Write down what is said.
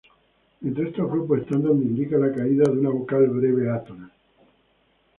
Entre estos grupos están donde indica la caída de una vocal breve átona.